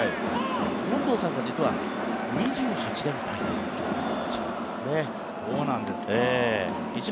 権藤さんが実は２８連敗という記録をお持ちなんですね。